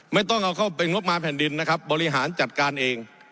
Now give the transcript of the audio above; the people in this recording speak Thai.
ไม่ต้องเอาเข้าเป็นงบมาแผ่นดินนะครับบริหารจัดการเอง